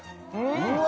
うわ！